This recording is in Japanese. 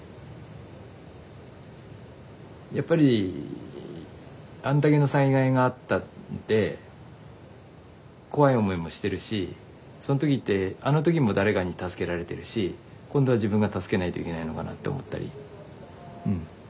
やっぱりあんだけの災害があったんで怖い思いもしてるしそん時ってあの時も誰かに助けられてるし今度は自分が助けないといけないのかなって思ったり。